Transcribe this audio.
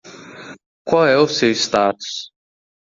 Qual é o seu status?